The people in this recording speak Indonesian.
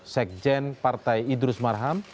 sekjen partai idrus marham